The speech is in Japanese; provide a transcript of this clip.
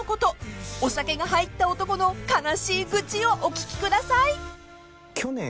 ［お酒が入った男の悲しい愚痴をお聞きください］